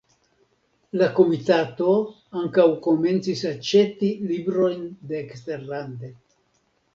La komitato ankaŭ komencis aĉeti librojn de eksterlande.